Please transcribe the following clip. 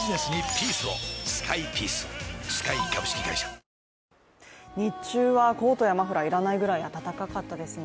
東京海上日動日中はコートやマフラーが要らないぐらい暖かかったですね。